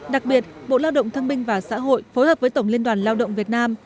đặc biệt bộ lao động thương minh và xã hội phối hợp với tổng liên đoàn lao động việt nam